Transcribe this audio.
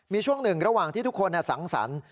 มีช่วงหนึ่งระหว่างที่ทุกคนสังสรรค์